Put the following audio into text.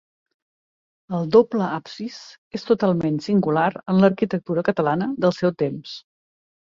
El doble absis és totalment singular en l'arquitectura catalana del seu temps.